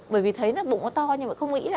bởi vì thấy là bụng nó to nhưng mà không nghĩ là